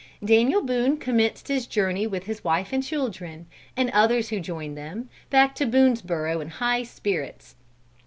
Daniel Boone commenced his journey with his wife and children, and others who joined them, back to Boonesborough in high spirits.